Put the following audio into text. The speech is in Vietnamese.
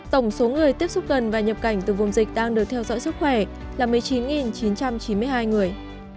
tổng số người tiếp xúc gần và nhập cảnh từ vùng dịch đang được theo dõi sức khỏe là một mươi chín chín trăm chín mươi hai người